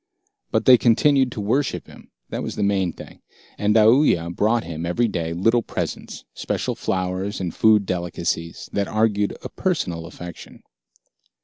But they continued to worship him, that was the main thing. And Aoooya brought him, every day, little presents, special flowers and food delicacies, that argued a personal affection.